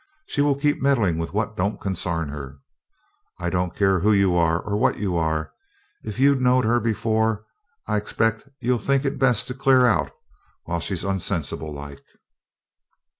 She will keep meddling with what don't consarn her. I don't care who yer are or what yer are. If you knowed her afore, I expect ye'll think it best to clear while she's unsensible like.'